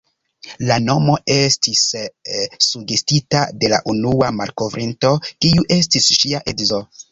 La nomo estis sugestita de la unua malkovrinto, kiu estis ŝia edzo.